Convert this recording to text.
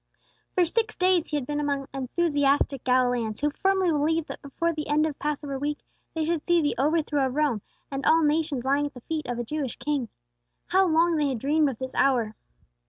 For six days he had been among enthusiastic Galileans who firmly believed that before the end of Passover week they should see the overthrow of Rome, and all nations lying at the feet of a Jewish king. How long they had dreamed of this hour!